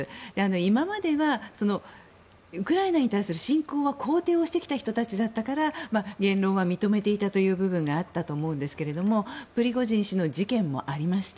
今まではウクライナに対する侵攻を肯定してきた人たちだったから言論は認めていたという部分があったと思いますがプリゴジン氏の事件もありました